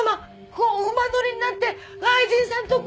こう馬乗りになって愛人さんとこう。